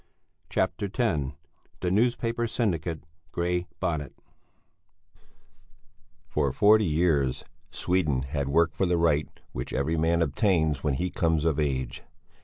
CHAPTER X THE NEWSPAPER SYNDICATE "GREY BONNET" For forty years Sweden had worked for the right which every man obtains when he comes of age.